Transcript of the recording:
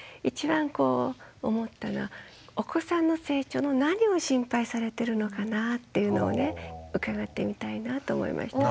こう思ったのはお子さんの成長の何を心配されてるのかなっていうのをね伺ってみたいなと思いましたね。